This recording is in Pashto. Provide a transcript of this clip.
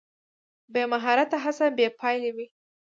بې مهارته هڅه بې پایلې وي.